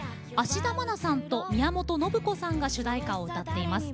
芦田愛菜さんと宮本信子さんが主題歌を歌っています。